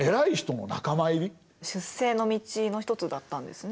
出世の道の一つだったんですね？